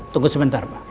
tunggu sebentar pak